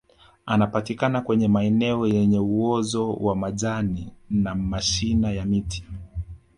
anapatikana kwenye maeneo yenye uozo wa majani na mashina ya miti